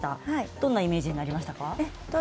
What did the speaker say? どんなイメージになりましたか。